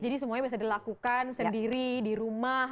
jadi semuanya bisa dilakukan sendiri di rumah